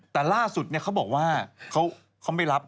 แต่ล่าสุดเขาบอกว่าเขาไม่รับ